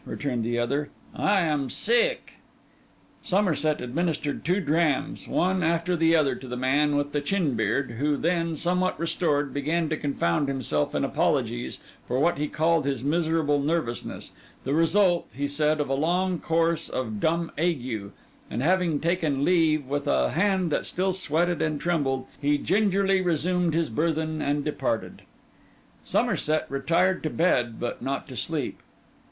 returned the other. 'I am sick.' Somerset administered two drams, one after the other, to the man with the chin beard; who then, somewhat restored, began to confound himself in apologies for what he called his miserable nervousness, the result, he said, of a long course of dumb ague; and having taken leave with a hand that still sweated and trembled, he gingerly resumed his burthen and departed. Somerset retired to bed but not to sleep.